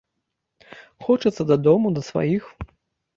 Хочацца дадому, да сваіх.